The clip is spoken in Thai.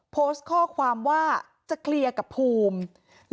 โพสต์ข้อความว่าจะเคลียร์กับภูมิ